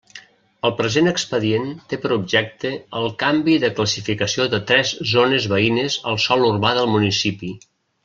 El present expedient té per objecte el canvi de classificació de tres zones veïnes al sòl urbà del municipi.